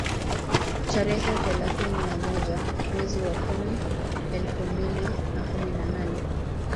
Tarehe thelathini na moja mwezi wa kumi elfu mbili na kumi na nane